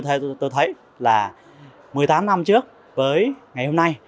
tôi thấy là một mươi tám năm trước với ngày hôm nay